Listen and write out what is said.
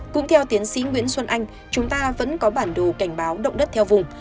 cũng theo tiến sĩ nguyễn xuân anh chúng ta vẫn có bản đồ cảnh báo động đất theo vùng